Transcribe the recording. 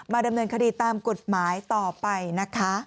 ดำเนินคดีตามกฎหมายต่อไปนะคะ